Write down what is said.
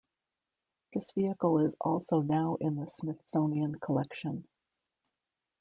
This vehicle is also now in the Smithsonian collection.